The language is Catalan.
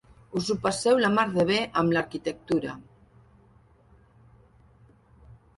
Us ho passeu la mar de bé amb l'arquitectura.